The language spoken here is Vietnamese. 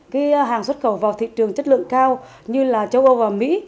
cái hàng xuất khẩu vào thị trường chất lượng cao như là châu âu và mỹ